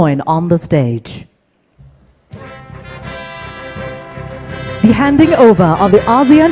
untuk bergabung di panggilan